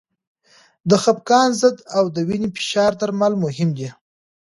د خپګان ضد او د وینې فشار درمل مهم دي.